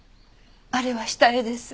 あれは下絵です。